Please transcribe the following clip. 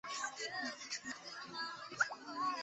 糖山南侧就是中央公园。